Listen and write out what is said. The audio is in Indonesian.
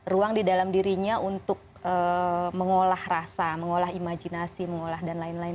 ruang di dalam dirinya untuk mengolah rasa mengolah imajinasi mengolah dan lain lain